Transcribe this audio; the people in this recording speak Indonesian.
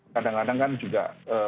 kadang kadang kan juga